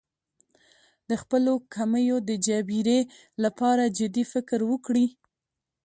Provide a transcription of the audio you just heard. د خپلو کمیو د جبېرې لپاره جدي فکر وکړي.